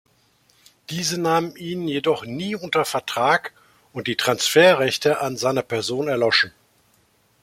Diese nahmen ihn jedoch nie unter Vertrag und die Transferrechte an seiner Person erloschen.